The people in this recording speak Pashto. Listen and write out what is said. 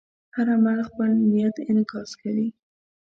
هر عمل خپل نیت انعکاس کوي.